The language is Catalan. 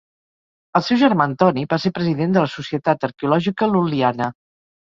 El seu germà Antoni va ser president de la Societat Arqueològica Lul·liana.